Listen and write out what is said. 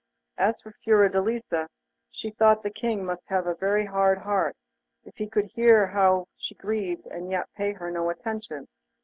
As for Fiordelisa, she thought the King must have a very hard heart if he could hear how she grieved and yet pay her no attention.